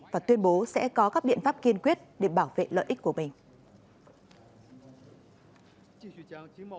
và tuyên bố sẽ có các biện pháp kiên quyết để bảo vệ lợi ích của mình